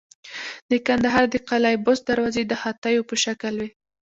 د کندهار د قلعه بست دروازې د هاتیو په شکل وې